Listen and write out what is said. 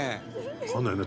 わかんないよね。